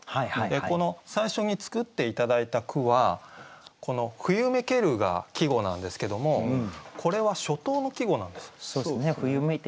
この最初に作って頂いた句はこの「冬めける」が季語なんですけどもこれは初冬の季語なんです。